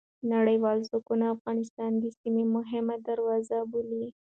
نړیوال ځواکونه افغانستان د سیمې مهمه دروازه بولي.